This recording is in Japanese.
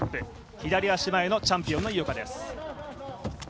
左足前のチャンピオンの井岡です。